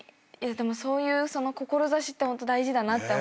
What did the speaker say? そういう志ってホント大事だなって思います。